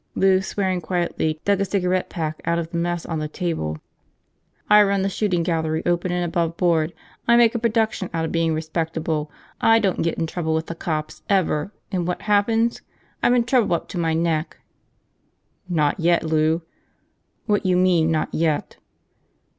Lou, swearing quietly, dug a cigarette pack out of the mess on the table. "I run the shooting gallery open and above board, I make a production out of being respectable, I don't get in trouble with the cops, ever – and what happens? I'm in trouble up to my neck!" "Not yet, Lou." "What you mean, not yet?"